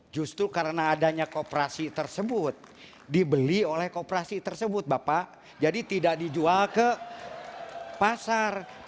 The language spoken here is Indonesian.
justru karena adanya kooperasi tersebut dibeli oleh kooperasi tersebut bapak jadi tidak dijual ke pasar